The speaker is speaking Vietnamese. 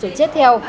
rồi chết theo